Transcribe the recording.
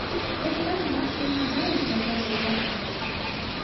Вось там нашы і набраліся гэтых захадаў.